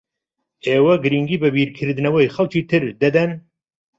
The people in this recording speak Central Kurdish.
ئێوە گرنگی بە بیرکردنەوەی خەڵکی تر دەدەن؟